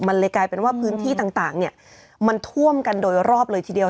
มันเลยกลายเป็นว่าพื้นที่ต่างเนี่ยมันท่วมกันโดยรอบเลยทีเดียว